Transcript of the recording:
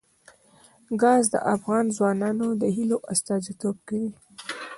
ګاز د افغان ځوانانو د هیلو استازیتوب کوي.